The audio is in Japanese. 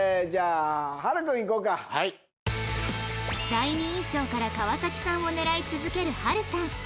第二印象から川崎さんを狙い続ける ＨＡＬ さん